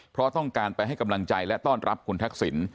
เพราะต้องการไปให้กำลังใจและต้อนรับคุณทักษิณ